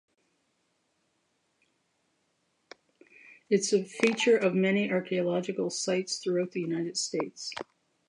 It is a feature of many archaeological sites, throughout the United States.